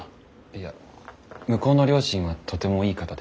いや向こうの両親はとてもいい方で。